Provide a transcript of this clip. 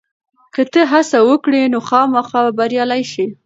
که ته هڅه وکړې، نو خامخا به بریالی شې.